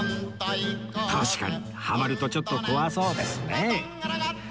確かにハマるとちょっと怖そうですね